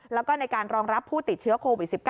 แล้วก็ในการรองรับผู้ติดเชื้อโควิด๑๙